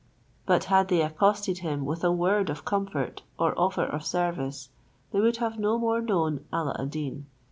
But had they accosted him with a word of comfort or offer of service, they would have no more known Alla ad Deen.